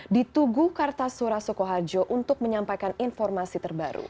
ditugu kartasura sukoharjo untuk menyampaikan informasi terbaru